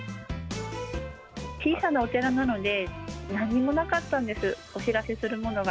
小さなお寺なので、何もなかったんです、お知らせするものが。